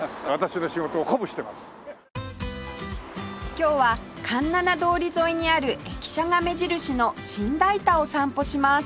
今日は環七通り沿いにある駅舎が目印の新代田を散歩します